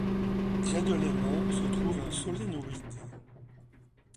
Près de l'aimant se trouve un solénoïde.